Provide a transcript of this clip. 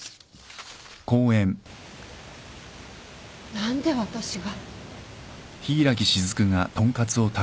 何で私が。